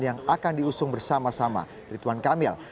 yang akan diusung bersama sama rituan kamil